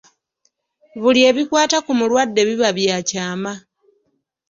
Buli ebikwata ku mulwadde biba bya kyama.